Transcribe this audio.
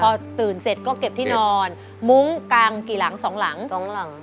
พอตื่นเสร็จก็เก็บที่นอนมุ้งกางกี่หลังสองหลังสองหลัง